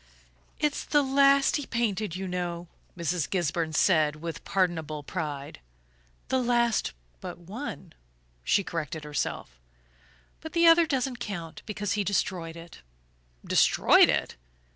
"It's the last he painted, you know," Mrs. Gisburn said with pardonable pride. "The last but one," she corrected herself "but the other doesn't count, because he destroyed it." "Destroyed it?"